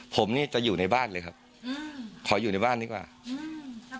ผมเนี้ยจะอยู่ในบ้านเลยครับอืมขออยู่ในบ้านดีกว่าอืม